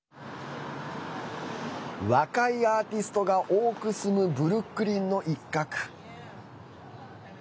若いアーティストが多く住むブルックリンの一角。